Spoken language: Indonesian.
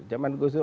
zaman gus dur